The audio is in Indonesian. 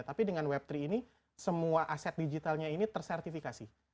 tapi dengan web tiga ini semua aset digitalnya ini tersertifikasi